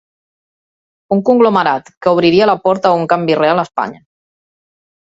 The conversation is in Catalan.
Un conglomerat que obriria la porta a un canvi real a Espanya.